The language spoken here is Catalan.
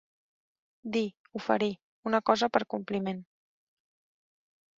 Dir, oferir, una cosa per compliment.